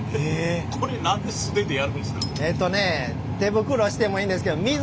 これ何で素手でやるんですか？